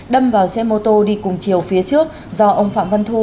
đâm vào xe mô tô đi cùng chiều phía trước do ông phạm văn thu